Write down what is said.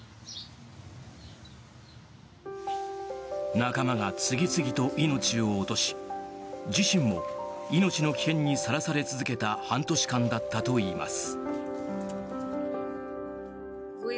仲間が次々と命を落とし自身も命の危険にさらされ続けた半年間だったといいます。